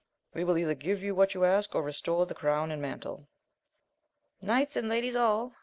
We will either give you what you ask, or restore the crown and mantle. Knights and ladies all